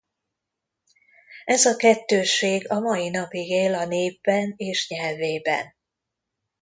Ez a kettősség a mai napig él a népben és nyelvében.